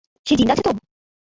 সে জিন্দা আছে তো?